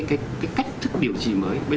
và giúp tôi bây giờ là gì